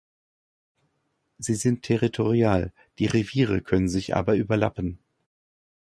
Sie sind territorial, die Reviere können sich aber überlappen.